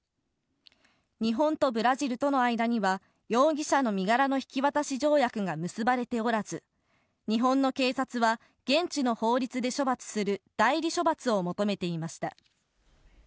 日本とブラジルとの間には容疑者の身柄の引き渡し条約が結ばれておらず、日本の警察は、現地の法律で処罰する代理処罰を求めていました。